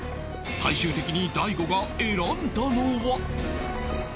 最終的に大悟が選んだのは？